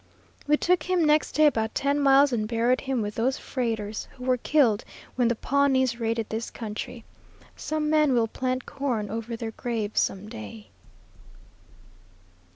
We took him next day about ten miles and buried him with those freighters who were killed when the Pawnees raided this country. Some man will plant corn over their graves some day."